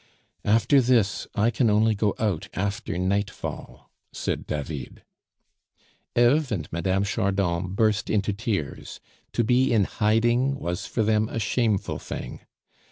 "After this, I can only go out after nightfall," said David. Eve and Mme. Chardon burst into tears. To be in hiding was for them a shameful thing.